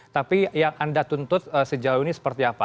tapi yang anda tuntut sejauh ini seperti apa